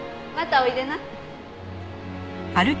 またおいでな。